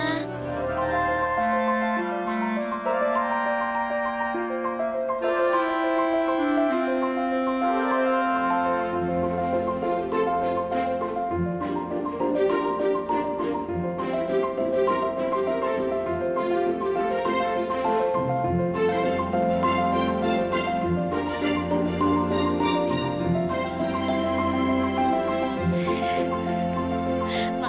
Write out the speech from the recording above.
aku harus gimana